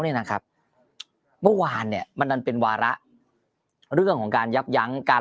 เนี่ยนะครับเมื่อวานเนี่ยมันดันเป็นวาระเรื่องของการยับยั้งการ